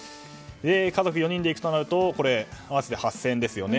家族４人で行くとなると合わせて８０００円ですよね。